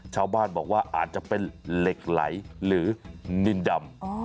ชาวบ้านบอกว่าอาจจะเป็นเหล็กไหลหรือนินดำ